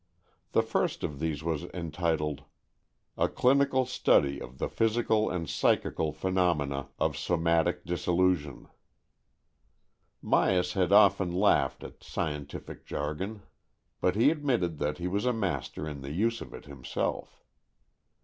The first of these was entitled A Clinical Study of the Physical and Psychical Phenomena of Somatic Dis solution, Myas had often laughed at AN EXCHANGE OF SOULS S7 scientific jargon, but he admitted that he was a master in the use of it himself.